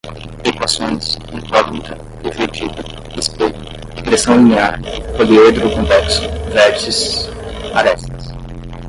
Equações, incógnita, refletida, espelho, regressão linear, poliedro convexo, vértices, arestas